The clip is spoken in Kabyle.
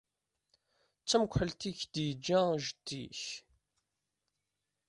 D tamekḥelt i k-d-yeǧǧa jeddi-k?